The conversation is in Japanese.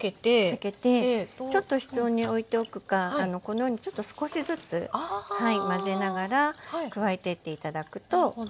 避けてちょっと室温においておくかこのようにちょっと少しずつ混ぜながら加えてって頂くといいですね。